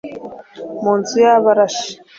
mu nzu y’ Abarashi,